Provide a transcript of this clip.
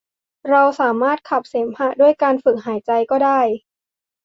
เราสามารถขับเสมหะด้วยการฝึกหายใจก็ได้